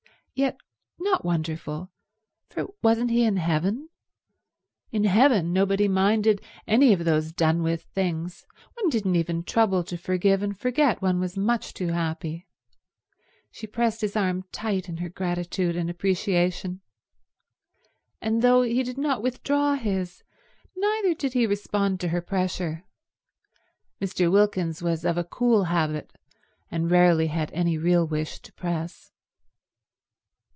Yet not wonderful, for wasn't he in heaven? In heaven nobody minded any of those done with things, one didn't even trouble to forgive and forget, one was much too happy. She pressed his arm tight in her gratitude and appreciation; and though he did not withdraw his, neither did he respond to her pressure. Mr. Wilkins was of a cool habit, and rarely had any real wish to press.